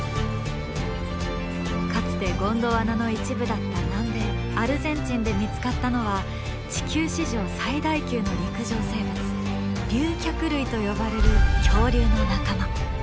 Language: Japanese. かつてゴンドワナの一部だった南米アルゼンチンで見つかったのは地球史上最大級の陸上生物「竜脚類」と呼ばれる恐竜の仲間。